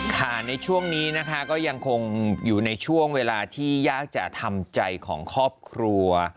ในช่วงนี้นะคะก็ยังคงอยู่ในช่วงเวลาที่ยากจะทำใจของครอบครัว